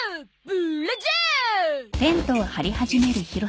ブ・ラジャー！